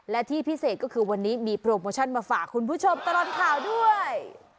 และที่พิเศษก็คือวันนี้มีโปรโมชั่นมาฝากคุณผู้ชมตลอดข่าวด้วย